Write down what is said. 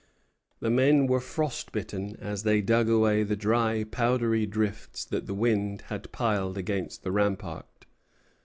The men were frost bitten as they dug away the dry, powdery drifts that the wind had piled against the rampart.